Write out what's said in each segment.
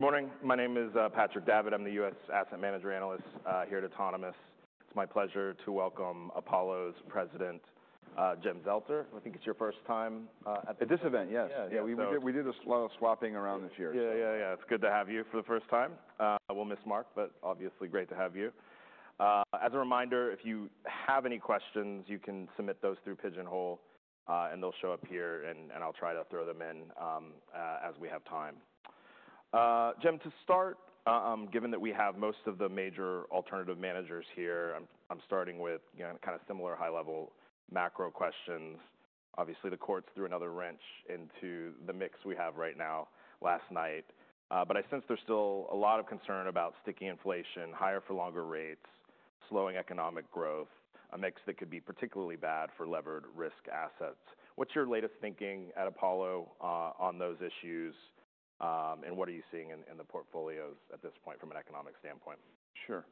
Good morning. My name is Patrick Davitt. I'm the U.S. Asset Manager Analyst here at Autonomous. It's my pleasure to welcome Apollo's President, Jim Zelter. I think it's your first time at this event. At this event, yes. Yeah. Yeah. We do this a lot of swapping around this year. Yeah, yeah, yeah. It's good to have you for the first time. We'll miss Mark, but obviously great to have you. As a reminder, if you have any questions, you can submit those through Pigeonhole, and they'll show up here, and I'll try to throw them in as we have time. Jim, to start, given that we have most of the major alternative managers here, I'm starting with kind of similar high-level macro questions. Obviously, the courts threw another wrench into the mix we have right now last night. I sense there's still a lot of concern about sticky inflation, higher-for-longer rates, slowing economic growth, a mix that could be particularly bad for levered risk assets. What's your latest thinking at Apollo on those issues, and what are you seeing in the portfolios at this point from an economic standpoint? Sure.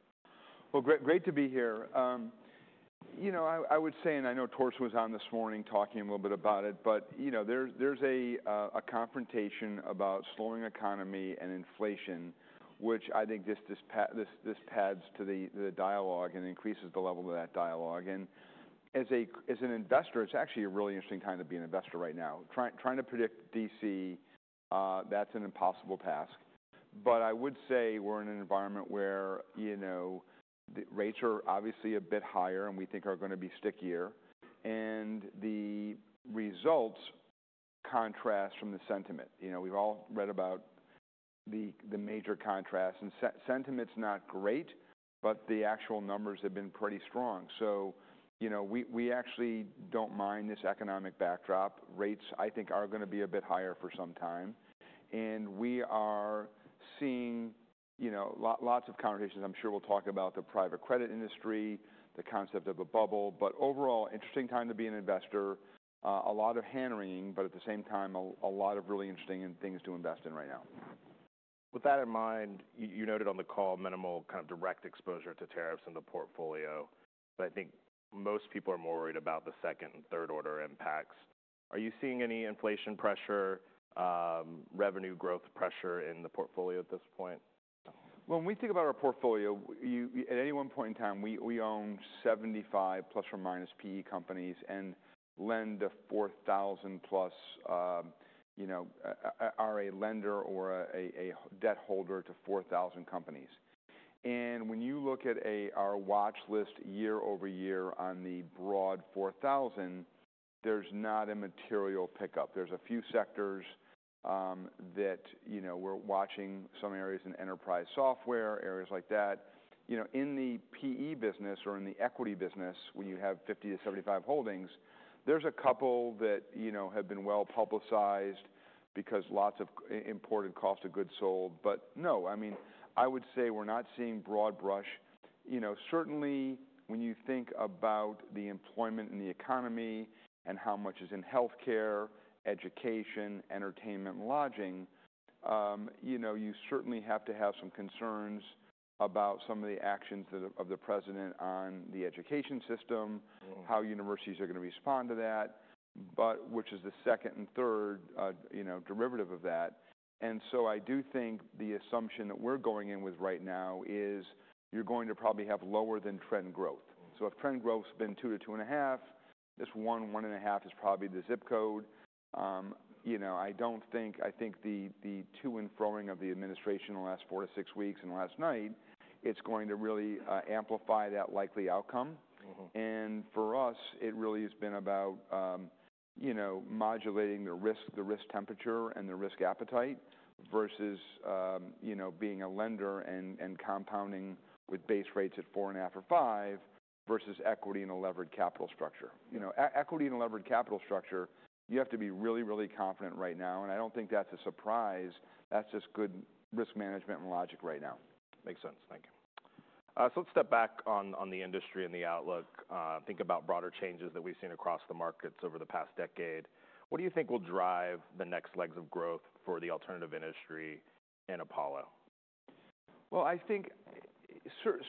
Great to be here. You know, I would say, and I know Torsten was on this morning talking a little bit about it, but there's a confrontation about slowing economy and inflation, which I think just pads to the dialogue and increases the level of that dialogue. And as an investor, it's actually a really interesting time to be an investor right now. Trying to predict D.C., that's an impossible task. I would say we're in an environment where rates are obviously a bit higher, and we think are going to be stickier. The results contrast from the sentiment. You know, we've all read about the major contrast, and sentiment's not great, but the actual numbers have been pretty strong. We actually do not mind this economic backdrop. Rates, I think, are going to be a bit higher for some time. We are seeing lots of conversations. I'm sure we'll talk about the Private Credit industry, the concept of a bubble. Overall, interesting time to be an investor, a lot of hand-wringing, but at the same time, a lot of really interesting things to invest in right now. With that in mind, you noted on the call minimal kind of direct exposure to tariffs in the portfolio. I think most people are more worried about the second and third-order impacts. Are you seeing any inflation pressure, revenue growth pressure in the portfolio at this point? When we think about our portfolio, at any one point in time, we own 75 plus or minus PE companies and lend to 4,000+, you know, are a lender or a debt holder to 4,000 companies. When you look at our watch list year-over-year on the broad 4,000, there is not a material pickup. There are a few sectors that we are watching, some areas in Enterprise Software, areas like that. You know, in the P.E. business or in the equity business, when you have 50-75 holdings, there are a couple that have been well publicized because lots of imported cost of goods sold. I mean, I would say we are not seeing broad brush. You know, certainly when you think about the employment and the economy and how much is in healthcare, education, entertainment, and lodging, you certainly have to have some concerns about some of the actions of the president on the education system, how universities are going to respond to that, which is the second and third derivative of that. I do think the assumption that we're going in with right now is you're going to probably have lower than trend growth. If trend growth's been 2 to 2.5, this 1-1.5 is probably the zip code. You know, I think the to and froing of the administration in the last four to six weeks and last night, it's going to really amplify that likely outcome. For us, it really has been about modulating the risk temperature and the risk appetite versus being a lender and compounding with base rates at 4.5 or 5 versus equity and a levered capital structure. You know, equity and a levered capital structure, you have to be really, really confident right now. I do not think that is a surprise. That is just good risk management and logic right now. Makes sense. Thank you. Let's step back on the industry and the outlook. Think about broader changes that we've seen across the markets over the past decade. What do you think will drive the next legs of growth for the alternative industry and Apollo? I think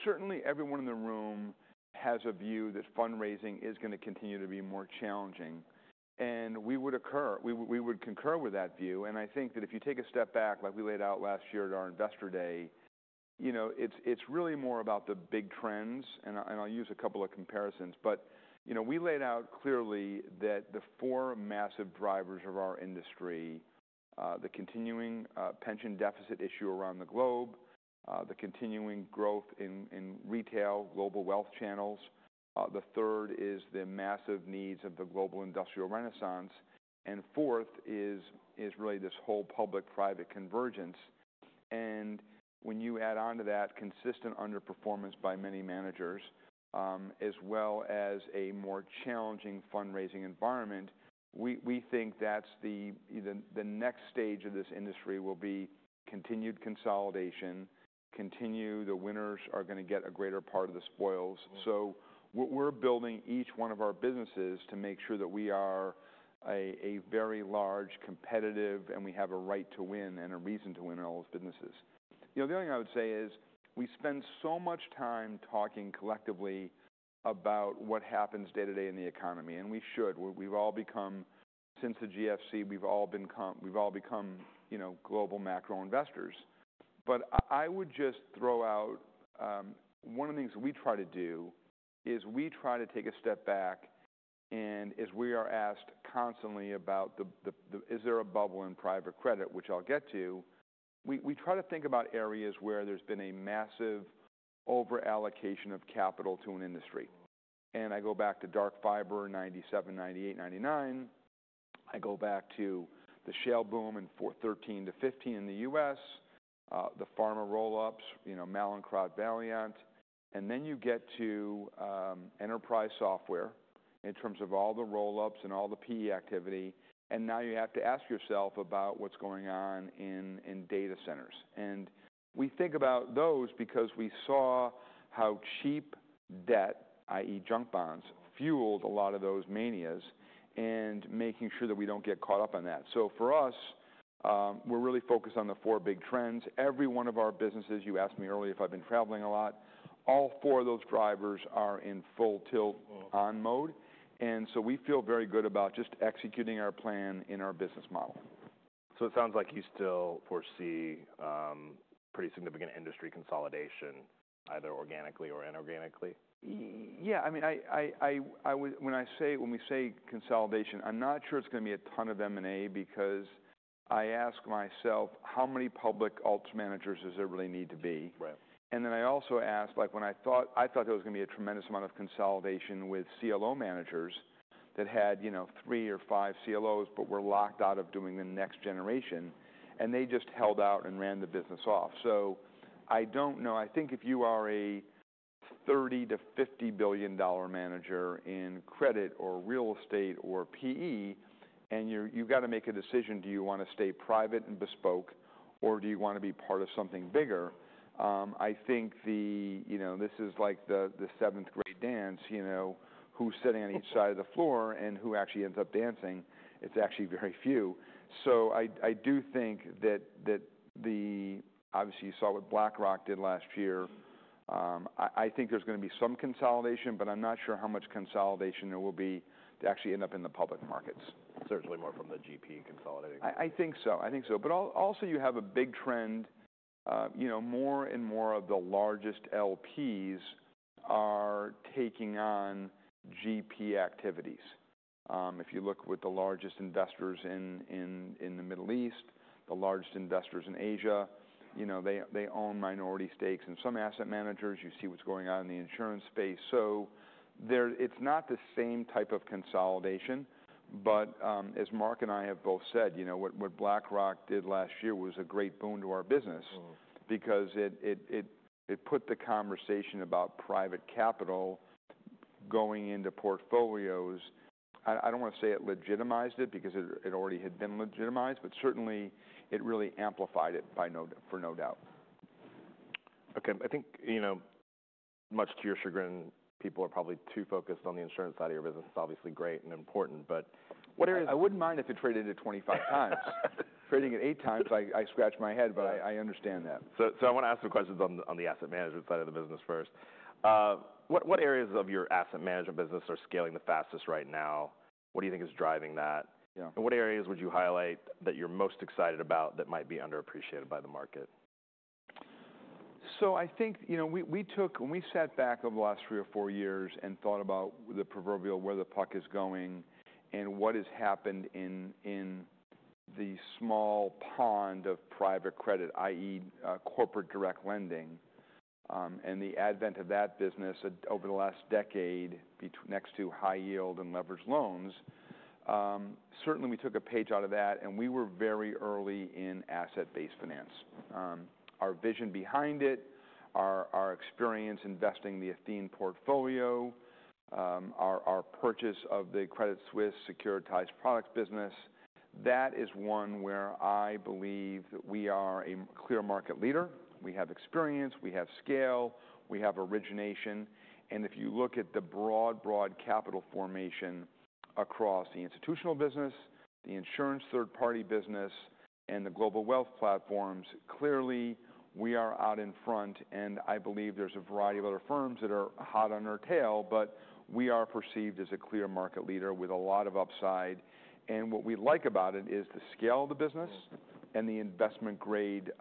certainly everyone in the room has a view that fundraising is going to continue to be more challenging. We would concur with that view. I think that if you take a step back, like we laid out last year at our investor day, you know, it's really more about the big trends. I'll use a couple of comparisons. We laid out clearly that the four massive drivers of our industry, the continuing pension deficit issue around the globe, the continuing growth in retail, Global Wealth Channels, the third is the massive needs of the global industrial renaissance, and fourth is really this whole public-private convergence. When you add on to that consistent underperformance by many managers, as well as a more challenging fundraising environment, we think that the next stage of this industry will be continued consolidation, continue the winners are going to get a greater part of the spoils. We are building each one of our businesses to make sure that we are very large, competitive, and we have a right to win and a reason to win in all those businesses. You know, the other thing I would say is we spend so much time talking collectively about what happens day to day in the economy. We should. Since the GFC, we have all become global macro investors. I would just throw out one of the things we try to do is we try to take a step back. As we are asked constantly about is there a bubble in Private Credit, which I'll get to, we try to think about areas where there's been a massive overallocation of capital to an industry. I go back to Dark Fiber 1997, 1998, 1999. I go back to the Shale Boom in 2013 to 2015 in the U.S., the Pharma Roll-Ups, you know, Mallinckrodt, Valeant. You get to Enterprise Software in terms of all the roll-ups and all the P.E. activity. You have to ask yourself about what's going on in data centers. We think about those because we saw how cheap debt, i.e., junk bonds, fueled a lot of those manias and making sure that we don't get caught up on that. For us, we're really focused on the four big trends. Every one of our businesses, you asked me earlier if I've been traveling a lot, all four of those drivers are in full tilt on mode. We feel very good about just executing our plan in our business model. It sounds like you still foresee pretty significant industry consolidation, either organically or inorganically? Yeah. I mean, when we say consolidation, I'm not sure it's going to be a ton of M&A because I ask myself, how many public alts managers does there really need to be? I also ask, like when I thought there was going to be a tremendous amount of consolidation with CLO managers that had three or five CLOs but were locked out of doing the next generation, and they just held out and ran the business off. I don't know. I think if you are a $30 billion-$50 billion manager in credit or real estate or P.E., and you've got to make a decision, do you want to stay private and bespoke, or do you want to be part of something bigger? I think this is like the seventh-grade dance, you know, who's sitting on each side of the floor and who actually ends up dancing. It's actually very few. I do think that the, obviously, you saw what BlackRock did last year. I think there's going to be some consolidation, but I'm not sure how much consolidation there will be to actually end up in the public markets. Certainly more from the G.P. consolidating. I think so. I think so. You have a big trend, you know, more and more of the largest L.P.s are taking on G.P. activities. If you look with the largest investors in the Middle East, the largest investors in Asia, you know, they own minority stakes in some Asset Managers. You see what's going on in the insurance space. It is not the same type of consolidation. As Mark and I have both said, you know, what BlackRock did last year was a great boon to our business because it put the conversation about private capital going into portfolios. I do not want to say it legitimized it because it already had been legitimized, but certainly it really amplified it for no doubt. Okay. I think, you know, much to your chagrin, people are probably too focused on the insurance side of your business. It's obviously great and important, but. I wouldn't mind if it traded at 25 times. Trading at eight times, I scratch my head, but I understand that. I want to ask some questions on the asset management side of the business first. What areas of your asset management business are scaling the fastest right now? What do you think is driving that? What areas would you highlight that you are most excited about that might be underappreciated by the market? I think, you know, when we sat back over the last three or four years and thought about the proverbial where the puck is going and what has happened in the small pond of Private Credit, i.e., corporate direct lending and the advent of that business over the last decade next to high yield and leveraged loans, certainly we took a page out of that. We were very early in Asset-Based Finance. Our vision behind it, our experience investing the Athene portfolio, our purchase of the Credit Suisse securitized products business, that is one where I believe that we are a clear market leader. We have experience. We have scale. We have origination. If you look at the broad, broad capital formation across the institutional business, the insurance third-party business, and the global wealth platforms, clearly we are out in front. I believe there is a variety of other firms that are hot on our tail, but we are perceived as a clear market leader with a lot of upside. What we like about it is the scale of the business and the investment-grade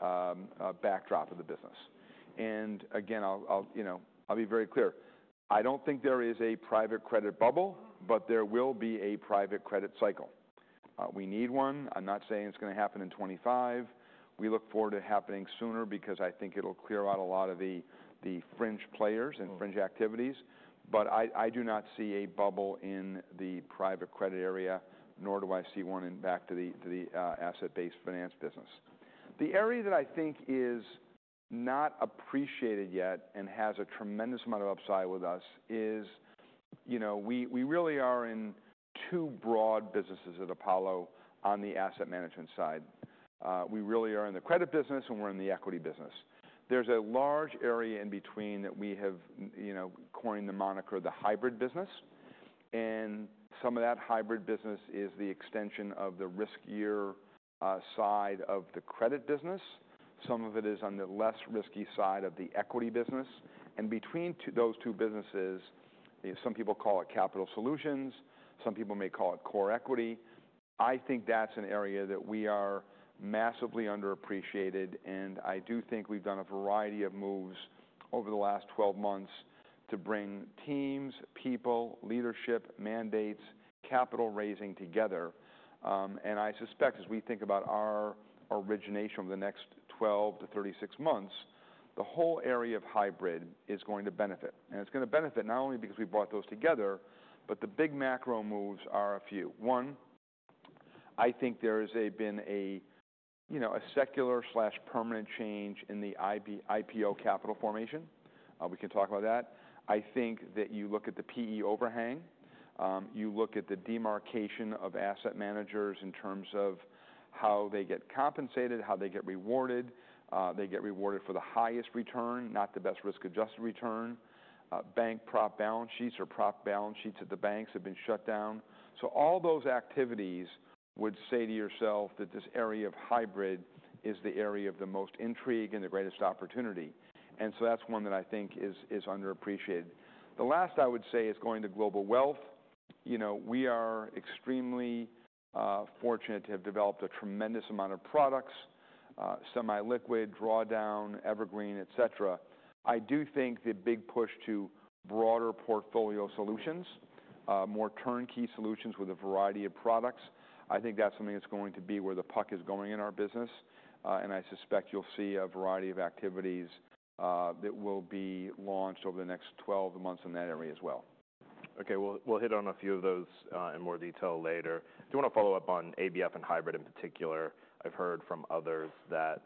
backdrop of the business. Again, I'll be very clear. I do not think there is a Private Credit bubble, but there will be a Private Credit cycle. We need one. I'm not saying it is going to happen in 2025. We look forward to it happening sooner because I think it will clear out a lot of the fringe players and fringe activities. I do not see a bubble in the Private Credit area, nor do I see one back to the Asset-Based Finance business. The area that I think is not appreciated yet and has a tremendous amount of upside with us is, you know, we really are in two broad businesses at Apollo on the asset management side. We really are in the credit business and we're in the equity business. There's a large area in between that we have coined the moniker the hybrid business. And some of that hybrid business is the extension of the riskier side of the credit business. Some of it is on the less risky side of the equity business. Between those two businesses, some people call it capital solutions. Some people may call it core equity. I think that's an area that we are massively underappreciated. I do think we've done a variety of moves over the last 12 months to bring teams, people, leadership, mandates, capital raising together. I suspect as we think about our origination over the next 12 to 36 months, the whole area of hybrid is going to benefit. It is going to benefit not only because we brought those together, but the big macro moves are a few. One, I think there has been a secular/permanent change in the IPO capital formation. We can talk about that. I think that you look at the P.E. overhang, you look at the demarcation of Asset Managers in terms of how they get compensated, how they get rewarded. They get rewarded for the highest return, not the best risk-adjusted return. Bank prop balance sheets or prop balance sheets at the banks have been shut down. All those activities would say to yourself that this area of hybrid is the area of the most intrigue and the greatest opportunity. That is one that I think is underappreciated. The last I would say is going to global wealth. You know, we are extremely fortunate to have developed a tremendous amount of products, semi-liquid, drawdown, evergreen, et cetera. I do think the big push to broader portfolio solutions, more turnkey solutions with a variety of products, I think that is something that is going to be where the puck is going in our business. I suspect you will see a variety of activities that will be launched over the next 12 months in that area as well. Okay. We'll hit on a few of those in more detail later. Do you want to follow up on ABF and hybrid in particular? I've heard from others that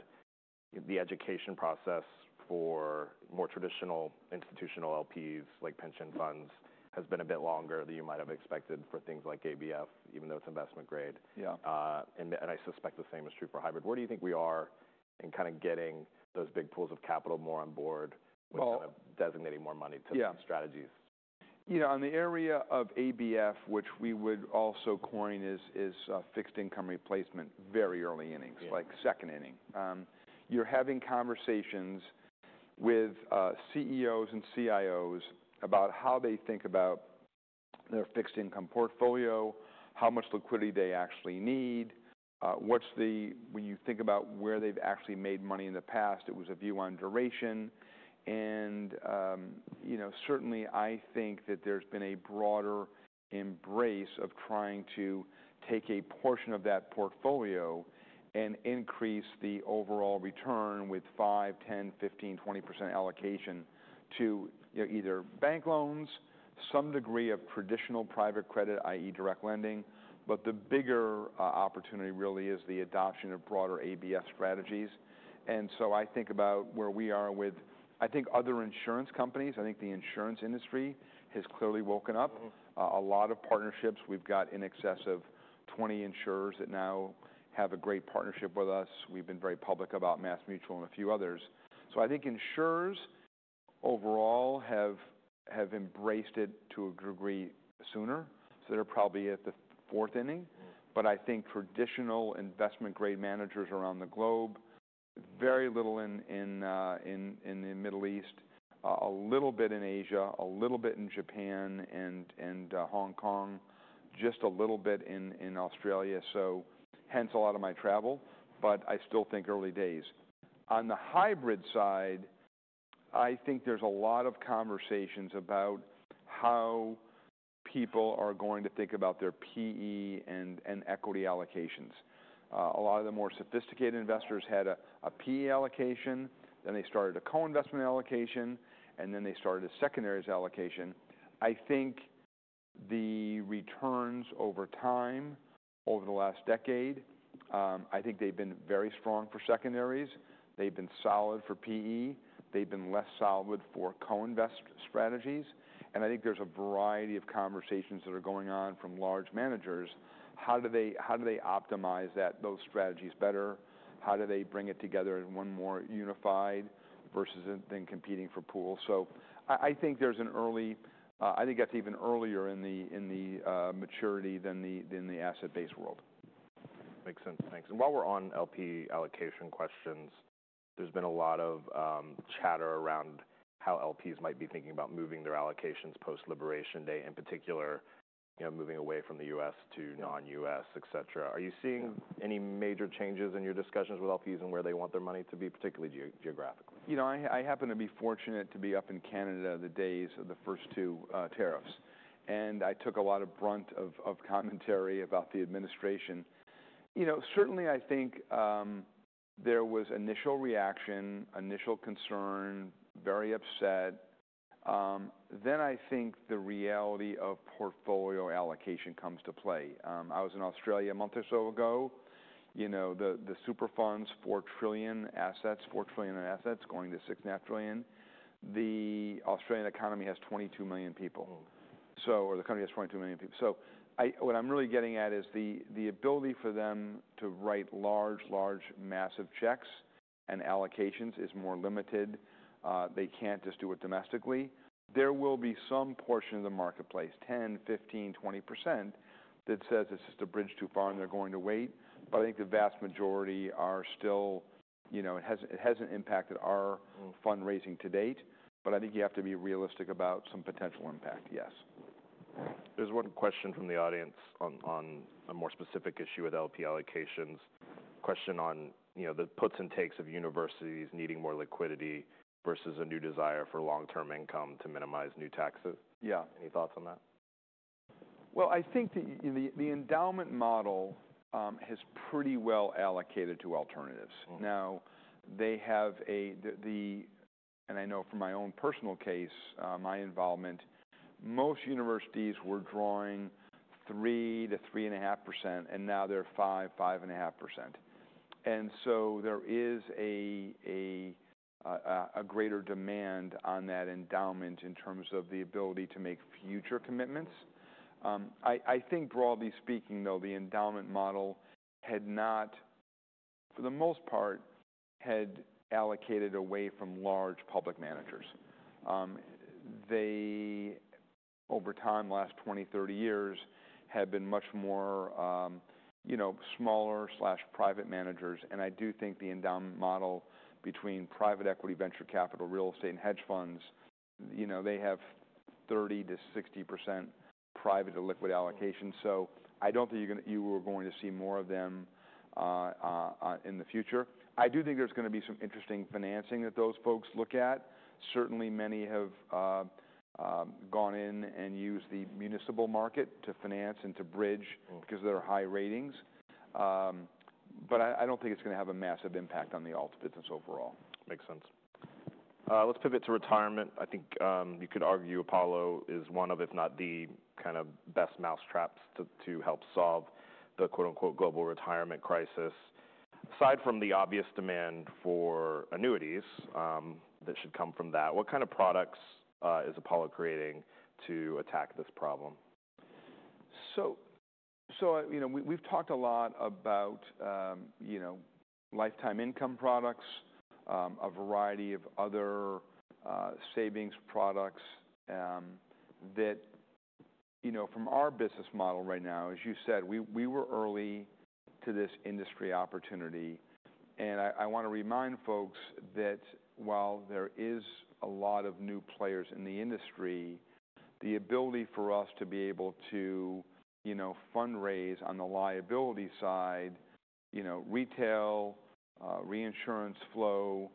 the education process for more traditional institutional L.P.s like pension funds has been a bit longer than you might have expected for things like ABF, even though it's investment grade. I suspect the same is true for hybrid. Where do you think we are in kind of getting those big pools of capital more on board with kind of designating more money to these strategies? You know, on the area of ABF, which we would also coin as fixed income replacement, very early innings, like second inning. You're having conversations with CEOs and CIOs about how they think about their fixed income portfolio, how much liquidity they actually need, what's the, when you think about where they've actually made money in the past, it was a view on duration. Certainly I think that there's been a broader embrace of trying to take a portion of that portfolio and increase the overall return with 5%, 10%, 15%, 20% allocation to either bank loans, some degree of traditional Private Credit, i.e., direct lending. The bigger opportunity really is the adoption of broader ABF strategies. I think about where we are with, I think other insurance companies, I think the insurance industry has clearly woken up. A lot of partnerships. We've got in excess of 20 insurers that now have a great partnership with us. We've been very public about MassMutual and a few others. I think insurers overall have embraced it to a degree sooner. They're probably at the fourth inning. I think traditional investment-grade managers around the globe, very little in the Middle East, a little bit in Asia, a little bit in Japan and Hong Kong, just a little bit in Australia. Hence a lot of my travel. I still think early days. On the hybrid side, I think there's a lot of conversations about how people are going to think about their P.E. and equity allocations. A lot of the more sophisticated investors had a P.E. allocation, then they started a co-investment allocation, and then they started a secondary allocation. I think the returns over time over the last decade, I think they've been very strong for secondaries. They've been solid for P.E. They've been less solid for co-invest strategies. I think there's a variety of conversations that are going on from large managers. How do they optimize those strategies better? How do they bring it together in one more unified versus then competing for pools? I think there's an early, I think that's even earlier in the maturity than the asset-based world. Makes sense. Thanks. While we're on L.P. allocation questions, there's been a lot of chatter around how L.P.s might be thinking about moving their allocations Post-Liberation Day, in particular, moving away from the U.S. to non-U.S., et cetera. Are you seeing any major changes in your discussions with L.P.s and where they want their money to be, particularly geographically? You know, I happen to be fortunate to be up in Canada the days of the first two tariffs. And I took a lot of brunt of commentary about the administration. You know, certainly I think there was initial reaction, initial concern, very upset. Then I think the reality of portfolio allocation comes to play. I was in Australia a month or so ago. You know, the Super Funds, 4 trillion in assets going to 6.5 trillion. The Australian economy has 22 million people, or the country has 22 million people. What I'm really getting at is the ability for them to write large, large, massive checks and allocations is more limited. They can't just do it domestically. There will be some portion of the marketplace, 10%-15%-20% that says it's just a bridge too far and they're going to wait. I think the vast majority are still, you know, it hasn't impacted our fundraising to date. I think you have to be realistic about some potential impact, yes. There's one question from the audience on a more specific issue with L.P. allocations. Question on the puts and takes of universities needing more liquidity versus a new desire for long-term income to minimize new taxes. Yeah. Any thoughts on that? I think the endowment model has pretty well allocated to alternatives. Now, they have a, and I know from my own personal case, my involvement, most universities were drawing 3%-3.5%, and now they are 5%-5.5%. There is a greater demand on that endowment in terms of the ability to make future commitments. I think broadly speaking, though, the endowment model had not, for the most part, allocated away from large public managers. They, over time, the last 20-30 years, have been much more, you know, smaller/private managers. I do think the endowment model between private equity, venture capital, real estate, and hedge funds, you know, they have 30%-60% private or liquid allocation. I do not think you were going to see more of them in the future. I do think there's going to be some interesting financing that those folks look at. Certainly, many have gone in and used the municipal market to finance and to bridge because of their high ratings. I don't think it's going to have a massive impact on the alts business overall. Makes sense. Let's pivot to retirement. I think you could argue Apollo is one of, if not the, kind of best mousetraps to help solve the "global retirement crisis." Aside from the obvious demand for annuities that should come from that, what kind of products is Apollo creating to attack this problem? We've talked a lot about lifetime income products, a variety of other savings products that, you know, from our business model right now, as you said, we were early to this industry opportunity. I want to remind folks that while there are a lot of new players in the industry, the ability for us to be able to fundraise on the liability side, retail, reinsurance flow,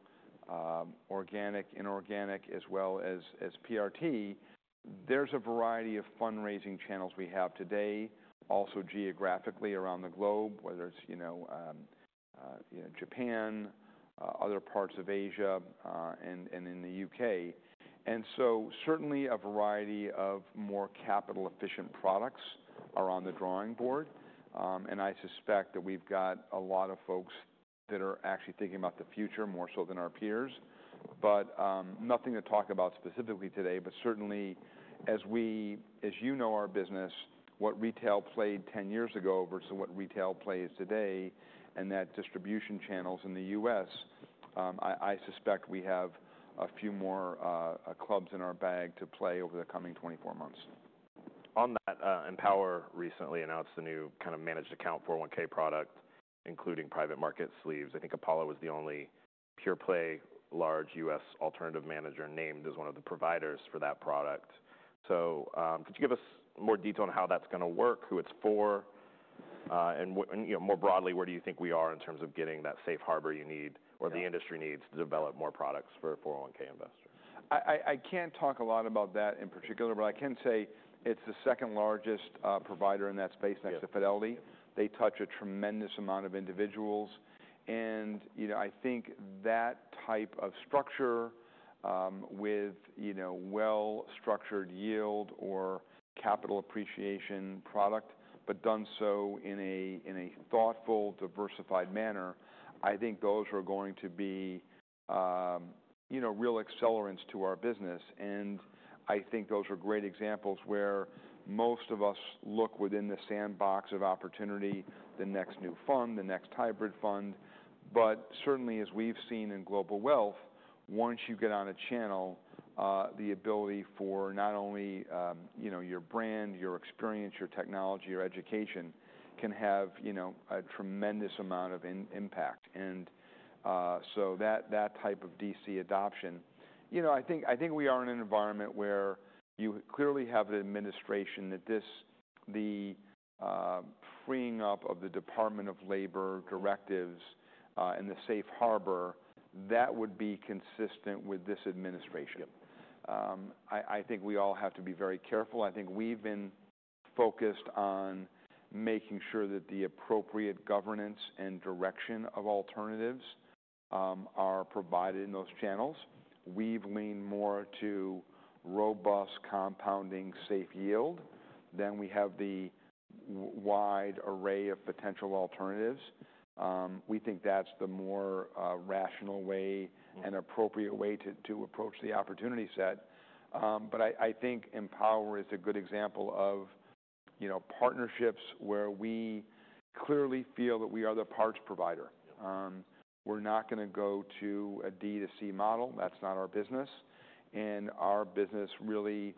organic, inorganic, as well as PRT, there's a variety of fundraising channels we have today, also geographically around the globe, whether it's Japan, other parts of Asia, and in the U.K. Certainly a variety of more capital-efficient products are on the drawing board. I suspect that we've got a lot of folks that are actually thinking about the future more so than our peers. Nothing to talk about specifically today. Certainly, as you know our business, what retail played 10 years ago versus what retail plays today, and that distribution channels in the U.S., I suspect we have a few more clubs in our bag to play over the coming 24 months. On that, Empower recently announced the new kind of managed account 401(k) product, including private market sleeves. I think Apollo was the only pure play large U.S. alternative manager named as one of the providers for that product. Could you give us more detail on how that's going to work, who it's for, and more broadly, where do you think we are in terms of getting that safe harbor you need or the industry needs to develop more products for 401(k) investors? I can't talk a lot about that in particular, but I can say it's the second largest provider in that space next to Fidelity. They touch a tremendous amount of individuals. I think that type of structure with well-structured yield or capital appreciation product, but done so in a thoughtful, diversified manner, I think those are going to be real accelerants to our business. I think those are great examples where most of us look within the sandbox of opportunity, the next new fund, the next hybrid fund. Certainly, as we've seen in global wealth, once you get on a channel, the ability for not only your brand, your experience, your technology, your education can have a tremendous amount of impact. That type of D.C. adoption, you know, I think we are in an environment where you clearly have an administration that this, the freeing up of the Department of Labor directives and the safe harbor, that would be consistent with this administration. I think we all have to be very careful. I think we've been focused on making sure that the appropriate governance and direction of alternatives are provided in those channels. We've leaned more to robust compounding safe yield than we have the wide array of potential alternatives. We think that's the more rational way and appropriate way to approach the opportunity set. I think Empower is a good example of partnerships where we clearly feel that we are the parts provider. We're not going to go to a D to C model. That's not our business. Our business really,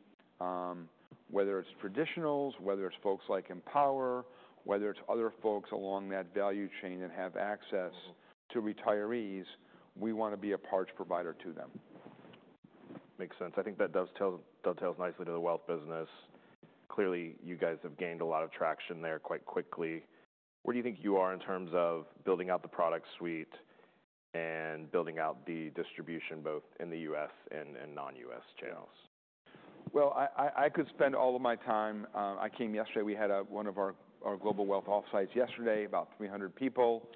whether it's traditionals, whether it's folks like Empower, whether it's other folks along that value chain that have access to retirees, we want to be a parts provider to them. Makes sense. I think that dovetails nicely to the wealth business. Clearly, you guys have gained a lot of traction there quite quickly. Where do you think you are in terms of building out the product suite and building out the distribution both in the U.S. and non-U.S. channels? I could spend all of my time. I came yesterday. We had one of our global wealth offsites yesterday, about 300 people.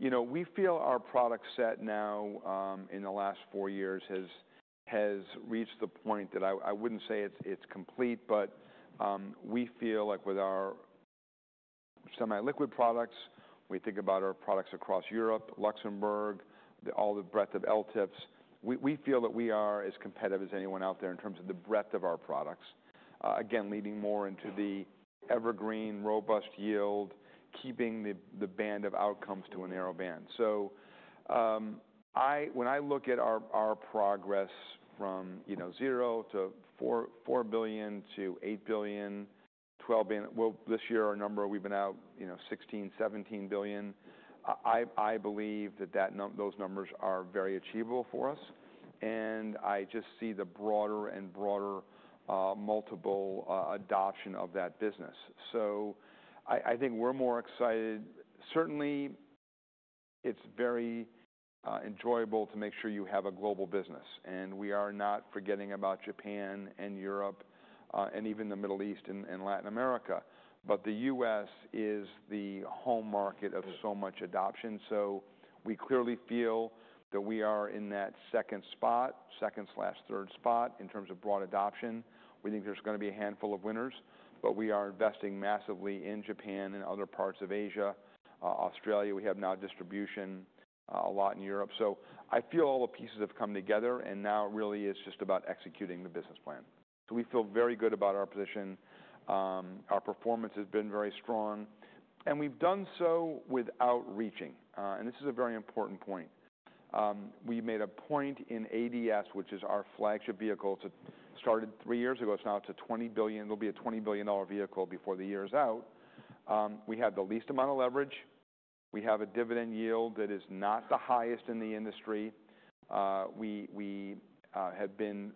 You know, we feel our product set now in the last four years has reached the point that I would not say it is complete, but we feel like with our semi-liquid products, we think about our products across Europe, Luxembourg, all the breadth of LTIFs. We feel that we are as competitive as anyone out there in terms of the breadth of our products, again, leading more into the evergreen, robust yield, keeping the band of outcomes to a narrow band. When I look at our progress from zero to $4 billion to $8 billion, $12 billion, this year our number, we have been out $16 billion-$17 billion. I believe that those numbers are very achievable for us. I just see the broader and broader multiple adoption of that business. I think we're more excited. Certainly, it's very enjoyable to make sure you have a global business. We are not forgetting about Japan and Europe and even the Middle East and Latin America. The U.S. is the home market of so much adoption. We clearly feel that we are in that second spot, second slash third spot in terms of broad adoption. We think there's going to be a handful of winners. We are investing massively in Japan and other parts of Asia. Australia, we have now distribution a lot in Europe. I feel all the pieces have come together. Now it really is just about executing the business plan. We feel very good about our position. Our performance has been very strong. We've done so without reaching. This is a very important point. We made a point in ADS, which is our flagship vehicle. It started three years ago. It is now up to $20 billion. It will be a $20 billion vehicle before the year is out. We have the least amount of leverage. We have a dividend yield that is not the highest in the industry. We have been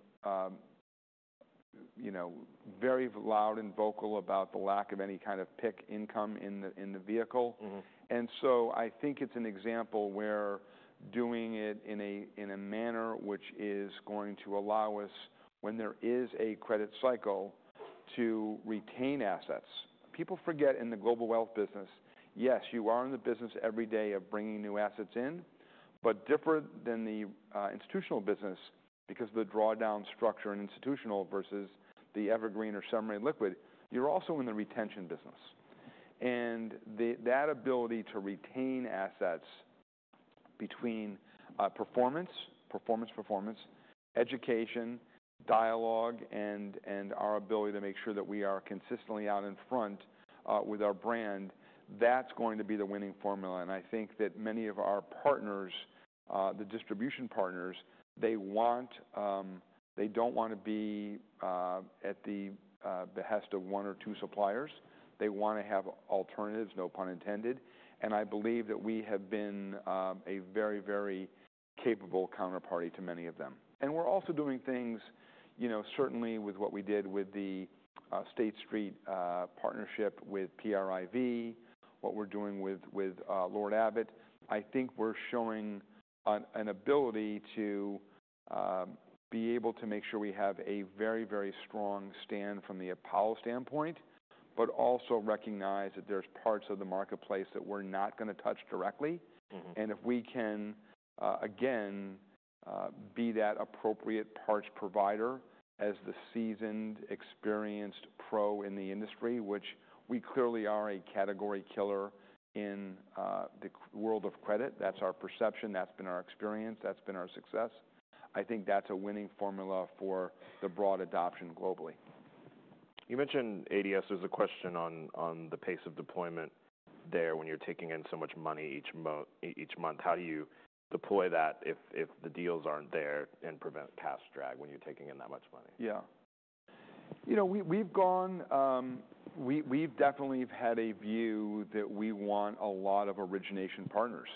very loud and vocal about the lack of any kind of pick income in the vehicle. I think it is an example where doing it in a manner which is going to allow us, when there is a credit cycle, to retain assets. People forget in the global wealth business, yes, you are in the business every day of bringing new assets in. Different than the institutional business, because of the drawdown structure in institutional versus the evergreen or semi-liquid, you're also in the retention business. That ability to retain assets between performance, performance, performance, education, dialogue, and our ability to make sure that we are consistently out in front with our brand, that's going to be the winning formula. I think that many of our partners, the distribution partners, they want, they don't want to be at the behest of one or two suppliers. They want to have alternatives, no pun intended. I believe that we have been a very, very capable counterparty to many of them. We're also doing things, you know, certainly with what we did with the State Street partnership with PRIV, what we're doing with Lord Abbett. I think we're showing an ability to be able to make sure we have a very, very strong stand from the Apollo standpoint, but also recognize that there are parts of the marketplace that we're not going to touch directly. If we can, again, be that appropriate parts provider as the seasoned, experienced pro in the industry, which we clearly are a category killer in the world of credit, that's our perception. That's been our experience. That's been our success. I think that's a winning formula for the broad adoption globally. You mentioned ADS. There's a question on the pace of deployment there when you're taking in so much money each month. How do you deploy that if the deals aren't there and prevent cash drag when you're taking in that much money? Yeah. You know, we've gone, we've definitely had a view that we want a lot of origination partners.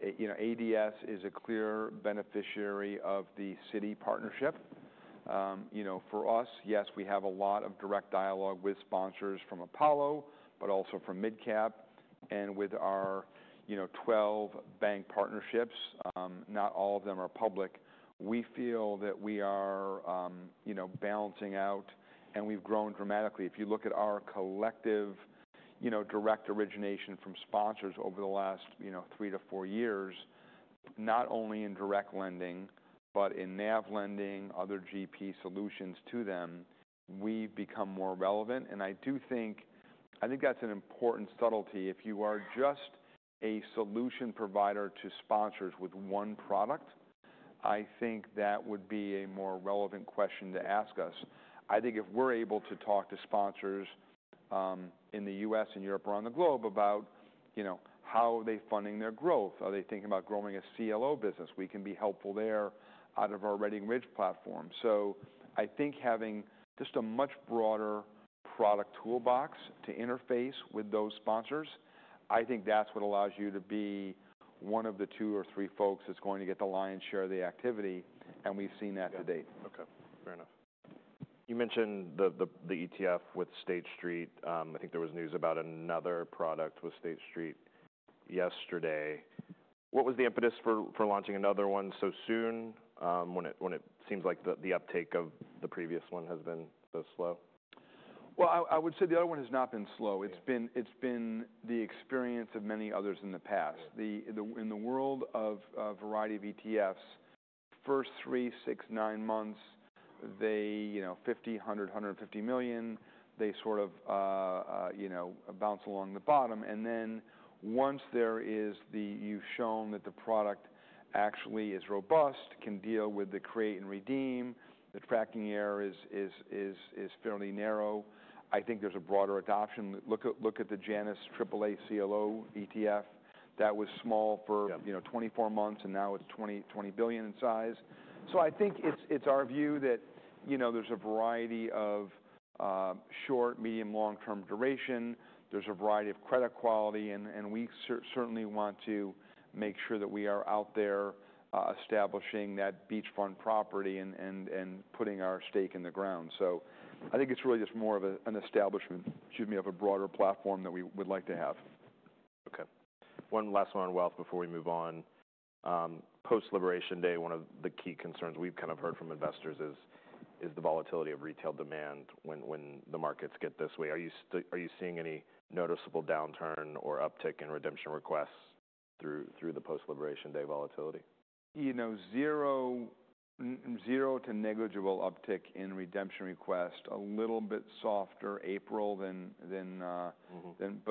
ADS is a clear beneficiary of the Citi partnership. For us, yes, we have a lot of direct dialogue with sponsors from Apollo, but also from MidCap and with our 12 bank partnerships. Not all of them are public. We feel that we are balancing out, and we've grown dramatically. If you look at our collective direct origination from sponsors over the last three to four years, not only in direct lending, but in NAV lending, other GP solutions to them, we've become more relevant. I do think, I think that's an important subtlety. If you are just a solution provider to sponsors with one product, I think that would be a more relevant question to ask us. I think if we're able to talk to sponsors in the U.S. and Europe or on the globe about how are they funding their growth? Are they thinking about growing a CLO business? We can be helpful there out of our Redding Ridge platform. I think having just a much broader product toolbox to interface with those sponsors, I think that's what allows you to be one of the two or three folks that's going to get the lion's share of the activity. We've seen that to date. Okay. Fair enough. You mentioned the ETF with State Street. I think there was news about another product with State Street yesterday. What was the impetus for launching another one so soon when it seems like the uptake of the previous one has been so slow? I would say the other one has not been slow. It's been the experience of many others in the past. In the world of a variety of ETFs, first three, six, nine months, they $50 million, $100 million, $150 million, they sort of bounce along the bottom. Once there is the, you've shown that the product actually is robust, can deal with the create and redeem, the tracking error is fairly narrow. I think there's a broader adoption. Look at the Janus AAA CLO ETF. That was small for 24 months, and now it's $20 billion in size. I think it's our view that there's a variety of short, medium, long-term duration. There's a variety of credit quality. We certainly want to make sure that we are out there establishing that beachfront property and putting our stake in the ground. I think it's really just more of an establishment, excuse me, of a broader platform that we would like to have. Okay. One last one on wealth before we move on. Post-Liberation Day, one of the key concerns we've kind of heard from investors is the volatility of retail demand when the markets get this way. Are you seeing any noticeable downturn or uptick in redemption requests through the Post-Liberation Day volatility? You know, zero to negligible uptick in redemption request, a little bit softer April,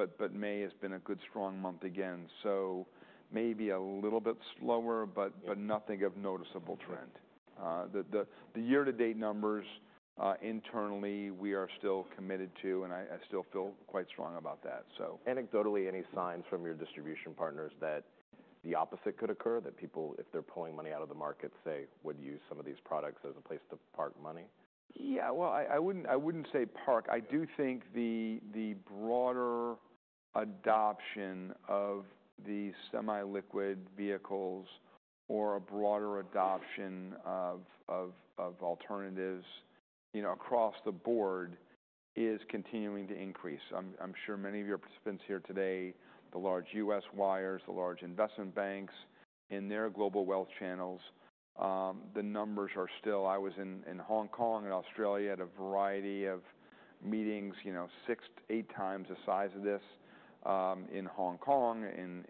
but May has been a good, strong month again. Maybe a little bit slower, but nothing of noticeable trend. The year-to-date numbers internally, we are still committed to, and I still feel quite strong about that. Anecdotally, any signs from your distribution partners that the opposite could occur, that people, if they're pulling money out of the market, say, would use some of these products as a place to park money? Yeah. I would not say park. I do think the broader adoption of the semi-liquid vehicles or a broader adoption of alternatives across the board is continuing to increase. I am sure many of your participants here today, the large U.S. wires, the large investment banks in their Global Wealth Channels, the numbers are still, I was in Hong Kong and Australia at a variety of meetings, six to eight times the size of this in Hong Kong,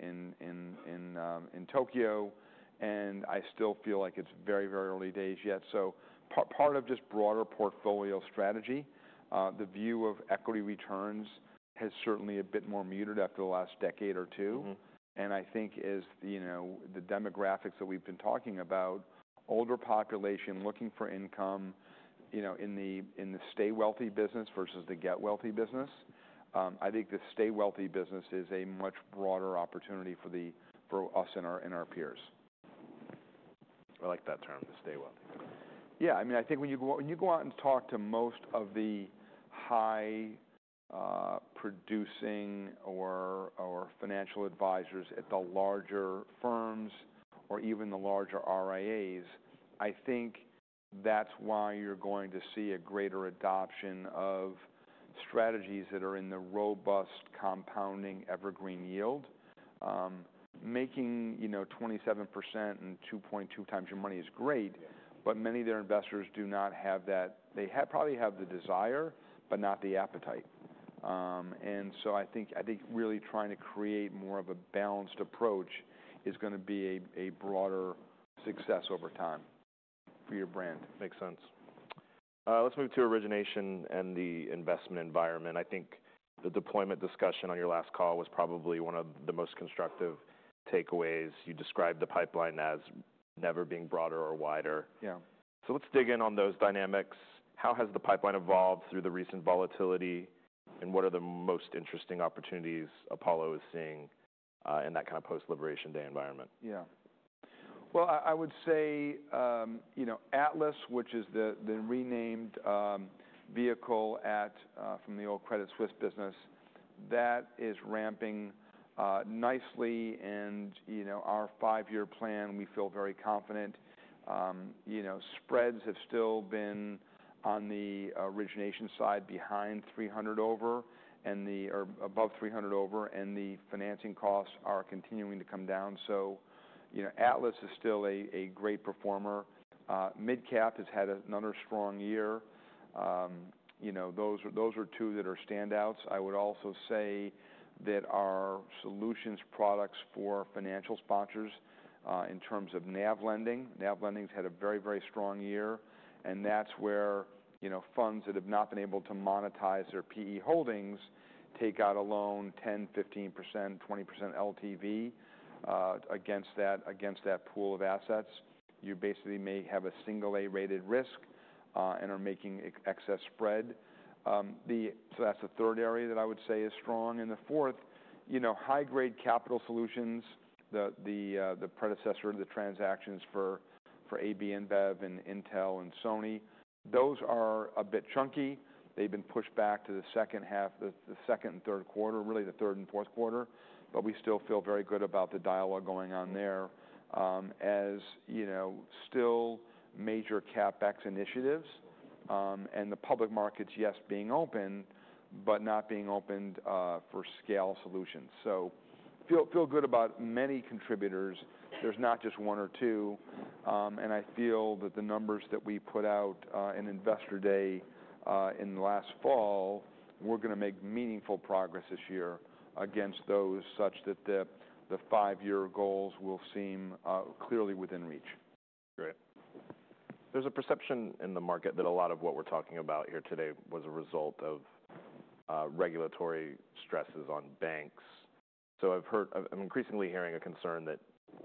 in Tokyo. I still feel like it is very, very early days yet. Part of just broader portfolio strategy, the view of equity returns has certainly a bit more muted after the last decade or two. I think as the demographics that we've been talking about, older population looking for income in the stay wealthy business versus the get wealthy business, I think the stay wealthy business is a much broader opportunity for us and our peers. I like that term, the stay wealthy. Yeah. I mean, I think when you go out and talk to most of the high-producing or financial advisors at the larger firms or even the larger RIAs, I think that's why you're going to see a greater adoption of strategies that are in the robust compounding evergreen yield. Making 27% and 2.2 times your money is great, but many of their investors do not have that. They probably have the desire, but not the appetite. I think really trying to create more of a balanced approach is going to be a broader success over time for your brand. Makes sense. Let's move to origination and the investment environment. I think the deployment discussion on your last call was probably one of the most constructive takeaways. You described the pipeline as never being broader or wider. Let's dig in on those dynamics. How has the pipeline evolved through the recent volatility? What are the most interesting opportunities Apollo is seeing in that kind of Post-Liberation Day environment? Yeah. I would say Atlas, which is the renamed vehicle from the old Credit Suisse business, that is ramping nicely. Our five-year plan, we feel very confident. Spreads have still been on the origination side behind 300 over and above 300 over. The financing costs are continuing to come down. Atlas is still a great performer. MidCap has had another strong year. Those are two that are standouts. I would also say that our solutions products for financial sponsors in terms of NAV lending, NAV lending has had a very, very strong year. That is where funds that have not been able to monetize their P.E. holdings take out a loan, 10%, 15%, 20% LTV against that pool of assets. You basically may have a single-A rated risk and are making excess spread. That is the third area that I would say is strong. The fourth, high-grade capital solutions, the predecessor to the transactions for AB InBev and Intel and Sony, those are a bit chunky. They have been pushed back to the second half, the second and third quarter, really the third and fourth quarter. We still feel very good about the dialogue going on there as still major CapEx initiatives. The public markets, yes, being open, but not being opened for scale solutions. I feel good about many contributors. There is not just one or two. I feel that the numbers that we put out in Investor Day in the last fall, we are going to make meaningful progress this year against those such that the five-year goals will seem clearly within reach. Great. There is a perception in the market that a lot of what we are talking about here today was a result of regulatory stresses on banks. I am increasingly hearing a concern that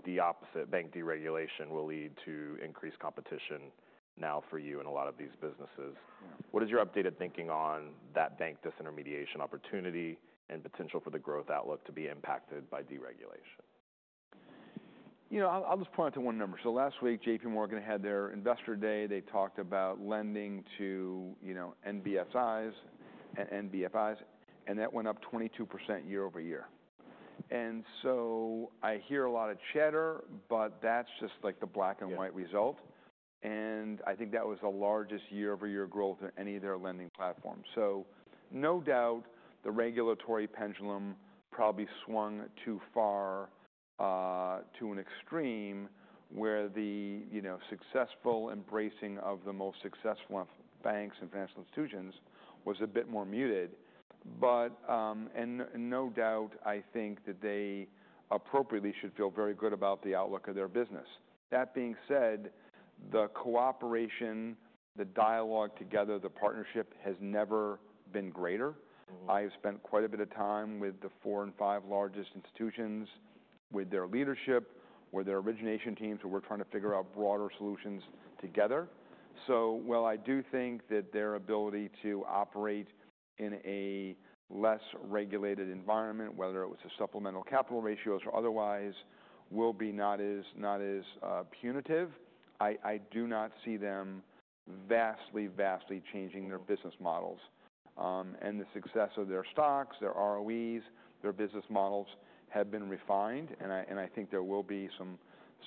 the opposite, bank deregulation, will lead to increased competition now for you and a lot of these businesses. What is your updated thinking on that bank disintermediation opportunity and potential for the growth outlook to be impacted by deregulation? You know, I'll just point out to one number. Last week, JP Morgan had their Investor Day. They talked about lending to NBFIs and NBFIs. That went up 22% year-over-year. I hear a lot of chatter, but that's just like the black and white result. I think that was the largest year-over-year growth in any of their lending platforms. No doubt the regulatory pendulum probably swung too far to an extreme where the successful embracing of the most successful banks and financial institutions was a bit more muted. No doubt, I think that they appropriately should feel very good about the outlook of their business. That being said, the cooperation, the dialogue together, the partnership has never been greater. I have spent quite a bit of time with the four and five largest institutions, with their leadership, with their origination teams who were trying to figure out broader solutions together. While I do think that their ability to operate in a less regulated environment, whether it was a supplemental capital ratios or otherwise, will be not as punitive, I do not see them vastly, vastly changing their business models. The success of their stocks, their ROEs, their business models have been refined. I think there will be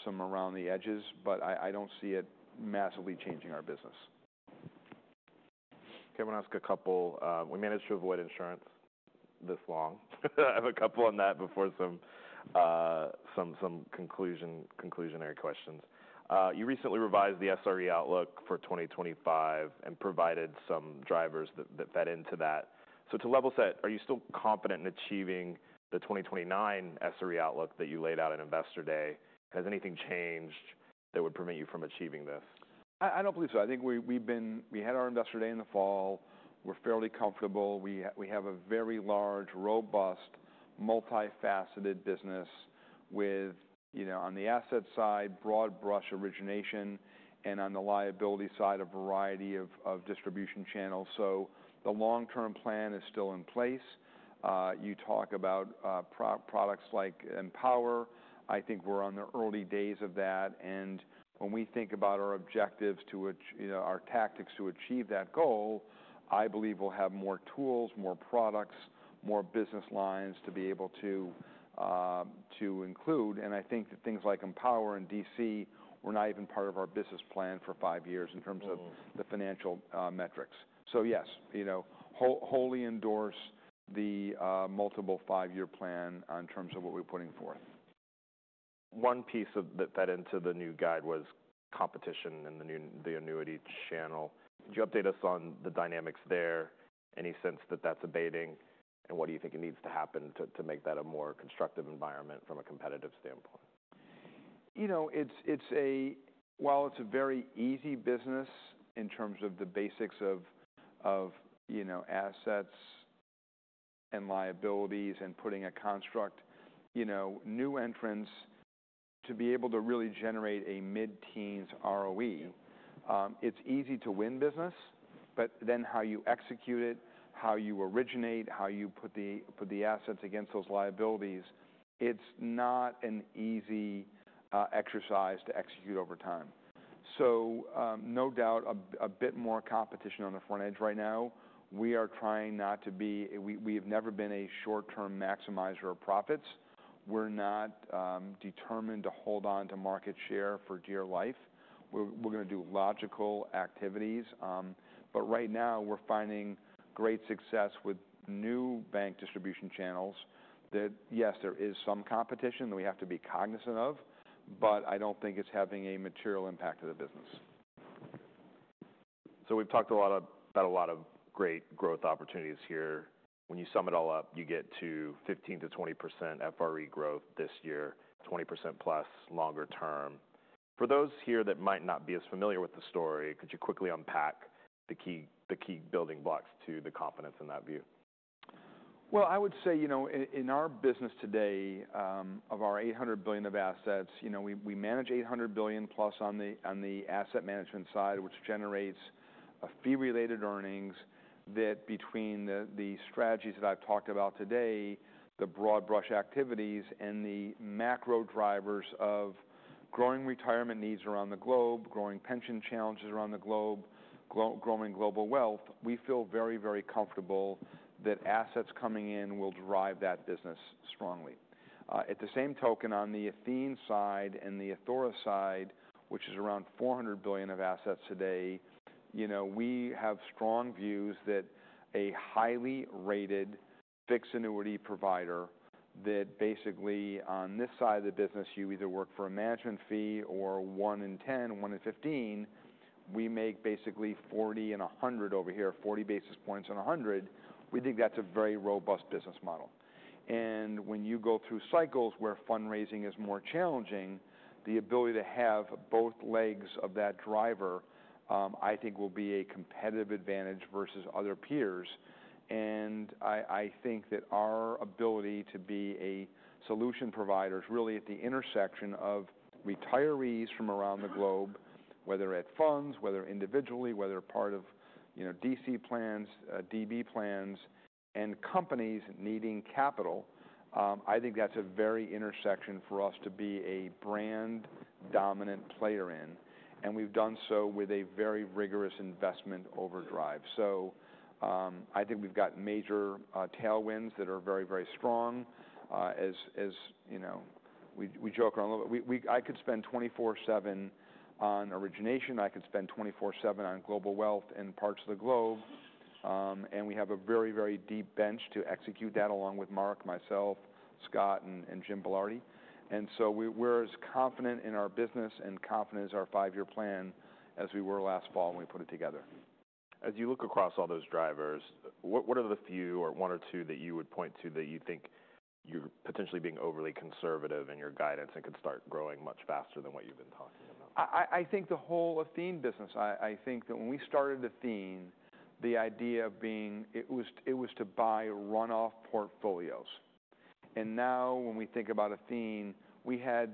some around the edges, but I do not see it massively changing our business. Okay. I want to ask a couple. We managed to avoid insurance this long. I have a couple on that before some conclusionary questions. You recently revised the SRE outlook for 2025 and provided some drivers that fed into that. To level set, are you still confident in achieving the 2029 SRE outlook that you laid out at Investor Day? Has anything changed that would prevent you from achieving this? I don't believe so. I think we had our Investor Day in the fall. We're fairly comfortable. We have a very large, robust, multifaceted business with, on the asset side, broad brush origination, and on the liability side, a variety of distribution channels. The long-term plan is still in place. You talk about products like Empower. I think we're on the early days of that. When we think about our objectives to our tactics to achieve that goal, I believe we'll have more tools, more products, more business lines to be able to include. I think that things like Empower and D.C. were not even part of our business plan for five years in terms of the financial metrics. Yes, wholly endorse the multiple five-year plan in terms of what we're putting forth. One piece that fed into the new guide was competition in the annuity channel. Could you update us on the dynamics there? Any sense that that's abating? What do you think needs to happen to make that a more constructive environment from a competitive standpoint? You know, while it's a very easy business in terms of the basics of assets and liabilities and putting a construct, new entrants to be able to really generate a mid-teens ROE, it's easy to win business. However, how you execute it, how you originate, how you put the assets against those liabilities, it's not an easy exercise to execute over time. No doubt, a bit more competition on the front edge right now. We are trying not to be—we have never been a short-term maximizer of profits. We're not determined to hold on to market share for dear life. We're going to do logical activities. Right now, we're finding great success with new bank distribution channels that, yes, there is some competition that we have to be cognizant of, but I don't think it's having a material impact on the business. We've talked about a lot of great growth opportunities here. When you sum it all up, you get to 15%-20% FRE growth this year, 20%+ longer term. For those here that might not be as familiar with the story, could you quickly unpack the key building blocks to the confidence in that view? I would say, you know, in our business today, of our $800 billion of assets, we manage $800 billion plus on the asset management side, which generates fee-related earnings that, between the strategies that I've talked about today, the broad brush activities, and the macro drivers of growing retirement needs around the globe, growing pension challenges around the globe, growing global wealth, we feel very, very comfortable that assets coming in will drive that business strongly. At the same token, on the Athene side and the Authora side, which is around $400 billion of assets today, we have strong views that a highly rated fixed annuity provider that basically, on this side of the business, you either work for a management fee or 1 in 10, 1 in 15, we make basically 40 and 100 over here, 40 bps and 100 bps. We think that's a very robust business model. When you go through cycles where fundraising is more challenging, the ability to have both legs of that driver, I think, will be a competitive advantage versus other peers. I think that our ability to be a solution provider is really at the intersection of retirees from around the globe, whether at funds, whether individually, whether part of D.C. plans, D.B. plans, and companies needing capital. I think that's a very intersection for us to be a brand dominant player in. We've done so with a very rigorous investment overdrive. I think we've got major tailwinds that are very, very strong. As we joke around a little bit, I could spend 24/7 on origination. I could spend 24/7 on global wealth in parts of the globe. We have a very, very deep bench to execute that along with Mark, myself, Scott, and Jim Belardi. We are as confident in our business and confident as our five-year plan as we were last fall when we put it together. As you look across all those drivers, what are the few or one or two that you would point to that you think you're potentially being overly conservative in your guidance and could start growing much faster than what you've been talking about? I think the whole Athene business, I think that when we started Athene, the idea of being it was to buy runoff portfolios. Now when we think about Athene, we had,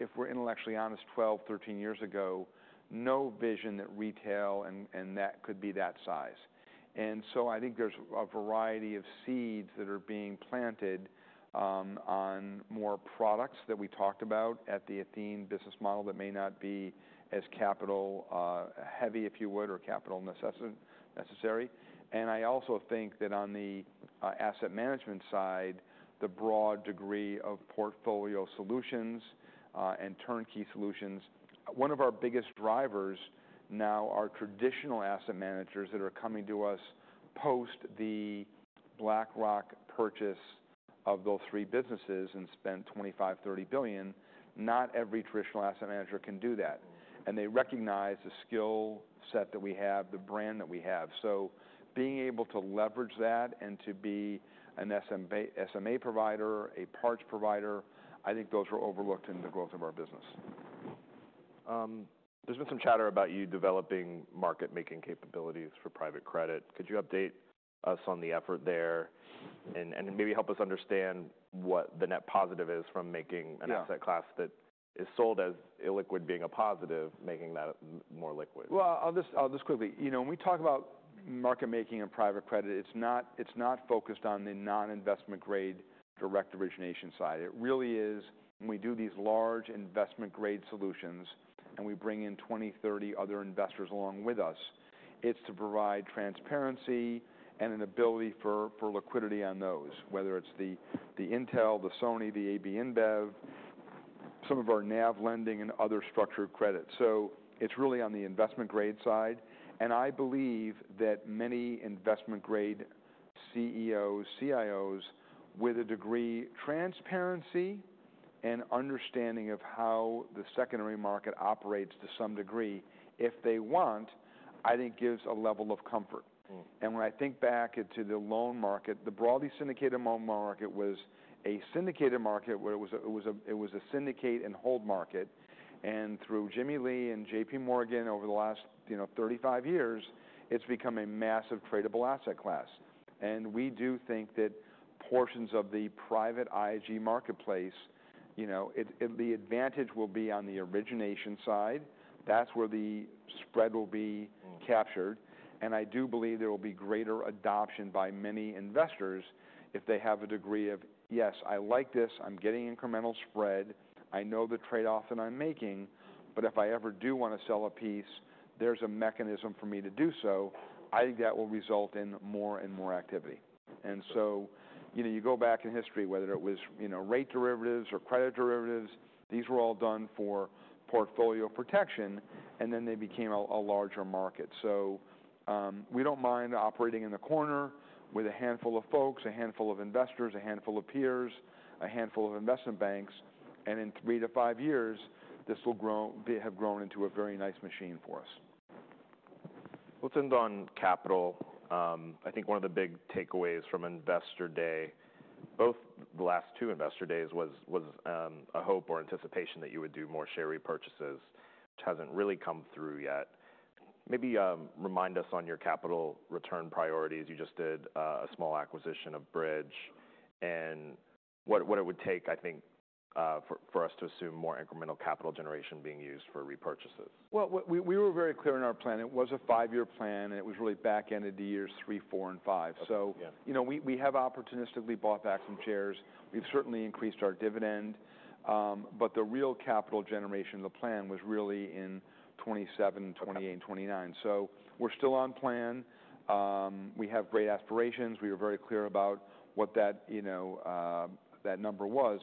if we're intellectually honest, 12, 13 years ago, no vision that retail and that could be that size. I think there's a variety of seeds that are being planted on more products that we talked about at the Athene business model that may not be as capital heavy, if you would, or capital necessary. I also think that on the asset management side, the broad degree of portfolio solutions and turnkey solutions, one of our biggest drivers now are traditional Asset Managers that are coming to us post the BlackRock purchase of those three businesses and spent $25 billion-$30 billion. Not every traditional asset manager can do that. They recognize the skill set that we have, the brand that we have. Being able to leverage that and to be an SMA provider, a parts provider, I think those were overlooked in the growth of our business. There's been some chatter about you developing market-making capabilities for Private Credit. Could you update us on the effort there and maybe help us understand what the net positive is from making an asset class that is sold as illiquid being a positive, making that more liquid? I'll just quickly, you know, when we talk about market-making and Private Credit, it's not focused on the non-investment-grade direct origination side. It really is, when we do these large investment-grade solutions and we bring in 20, 30 other investors along with us, it's to provide transparency and an ability for liquidity on those, whether it's the Intel, the Sony, the AB InBev, some of our nav lending and other structured credit. It's really on the investment-grade side. I believe that many investment-grade CEOs, CIOs, with a degree of transparency and understanding of how the secondary market operates to some degree, if they want, I think gives a level of comfort. When I think back to the loan market, the broadly syndicated loan market was a syndicated market where it was a syndicate and hold market. Through Jimmy Lee and JP Morgan over the last 35 years, it's become a massive tradable asset class. We do think that portions of the private IG marketplace, you know, the advantage will be on the origination side. That's where the spread will be captured. I do believe there will be greater adoption by many investors if they have a degree of, yes, I like this, I'm getting incremental spread, I know the trade-off that I'm making, but if I ever do want to sell a piece, there's a mechanism for me to do so. I think that will result in more and more activity. You go back in history, whether it was rate derivatives or credit derivatives, these were all done for portfolio protection, and then they became a larger market. We do not mind operating in the corner with a handful of folks, a handful of investors, a handful of peers, a handful of investment banks. In three to five years, this will have grown into a very nice machine for us. Let's end on capital. I think one of the big takeaways from Investor Day, both the last two Investor Days, was a hope or anticipation that you would do more share repurchases, which hasn't really come through yet. Maybe remind us on your capital return priorities. You just did a small acquisition of Bridge. And what it would take, I think, for us to assume more incremental capital generation being used for repurchases? We were very clear in our plan. It was a five-year plan, and it was really back end of the years 2027, 2028, and 2029. We have opportunistically bought back some shares. We have certainly increased our dividend. The real capital generation, the plan was really in 2027, 2028, and 2029. We are still on plan. We have great aspirations. We were very clear about what that number was.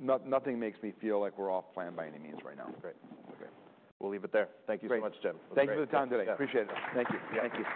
Nothing makes me feel like we are off plan by any means right now. Great. Okay. We'll leave it there. Thank you so much, Jim. Thank you for the time today. I appreciate it. Thank you.